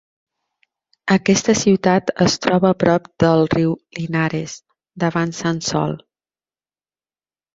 Aquesta ciutat es troba a prop del riu Linares, davant Sansol.